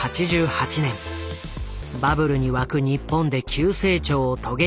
バブルに沸く日本で急成長を遂げていたリクルート。